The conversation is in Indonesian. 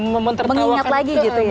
menginap lagi gitu ya